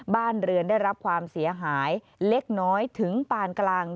บ้านเรือนได้รับความเสียหายเล็กน้อยถึงปานกลาง